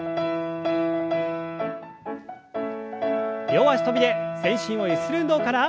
両脚跳びで全身をゆする運動から。